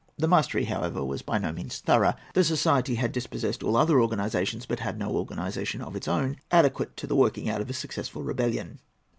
The mastery, however, was by no means thorough. The society had dispossessed all other organizations, but had no organization of its own adequate to the working out of a successful rebellion.